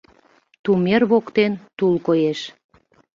Тумер воктен тул коеш.